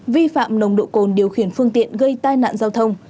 vi phạm nồng độ cồn điều khiển phương tiện gây tai nạn giao thông